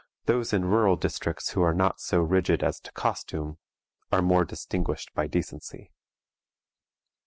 Those in rural districts who are not so rigid as to costume are more distinguished by decency.